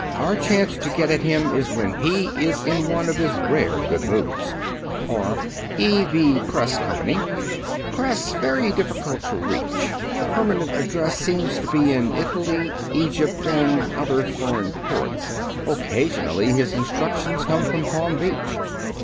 Our chance to get at him is when he is in one of his rare good humors. Or: E.V. Kreiss Company: Kreiss very difficult to reach. Permanent address seems to be Italy, Egypt, and other foreign ports. Occasionally his instructions come from Palm Beach.